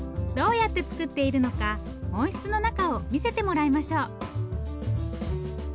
どうやって作っているのか温室の中を見せてもらいましょう。